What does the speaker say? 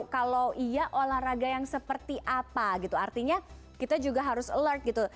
kalau iya olahraga yang seperti apa gitu artinya kita juga harus alert gitu